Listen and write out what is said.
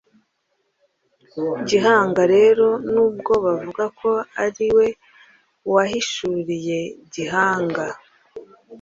gihanga rero, n'ubwo bavuga ko ari we wahishuriye gihanga